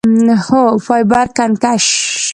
هو، فایبر کنکشن